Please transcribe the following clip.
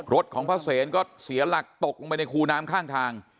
รถของพระเสนก็เสียหลักตกลงไปในคูน้ำข้างทาง